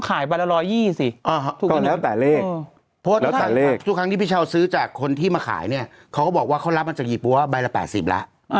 คุณจะเอาโกต้ากับเขาหรอ